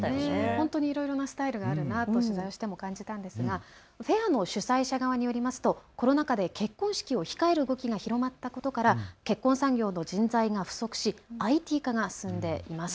本当にいろいろなスタイルがあるなと取材して感じたんですが、フェアの主催者側によりますとコロナ禍で結婚式を控える動きが広まったことから結婚産業の人材が不足しＩＴ化が進んでいます。